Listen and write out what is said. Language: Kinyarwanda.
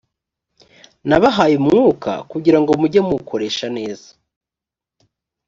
nabahaye umwuka kugira ngo mujye muwukoresha neza